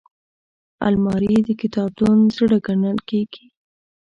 الماري د کتابتون زړه ګڼل کېږي